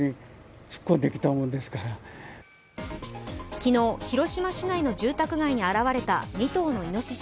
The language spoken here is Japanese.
昨日、広島市内の住宅街に現れた２頭のいのしし。